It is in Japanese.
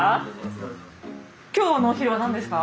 今日のお昼は何ですか？